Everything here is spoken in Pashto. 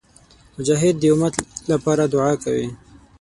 مجاهد د امت لپاره دعا کوي.